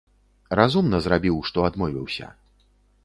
Разумна зрабіў, што адмовіўся.